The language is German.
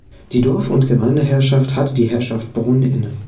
Die Dorf- und Gemeindeherrschaft hatte die Herrschaft Brunn inne.